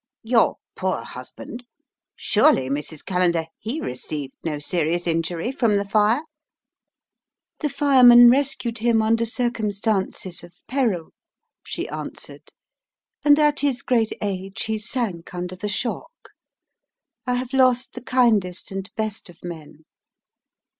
"Your poor husband? Surely, Mrs. Callender, he received no serious injury from the fire?" "The firemen rescued him under circumstances of peril," she answered, "and at his great age he sank under the shock. I have lost the kindest and best of men.